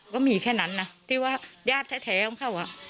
ก็มีแค่นั้นอ่ะที่ว่าญาติแท้แท้ของเขาอ่ะ